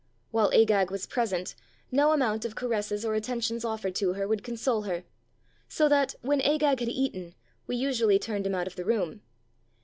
While Agag was present, no amount of caresses or atten tions offered to her would console her, so that, when Agag had eaten, we usually turned him out of the room.